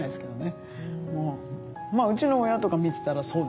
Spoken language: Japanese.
うちの親とか見てたらそうですね。